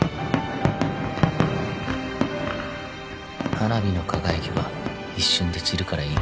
花火の輝きは一瞬で散るからいい